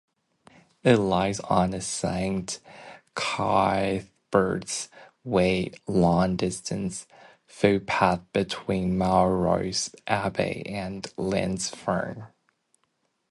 It lies on the Saint Cuthbert's Way long-distance footpath between Melrose Abbey and Lindisfarne.